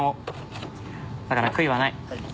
だから悔いはない。